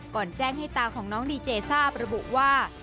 แจ้งให้ตาของน้องดีเจทราบระบุว่า